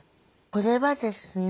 これはですね